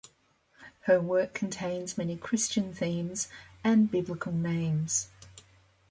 Her work contains many Christian themes and Biblical names.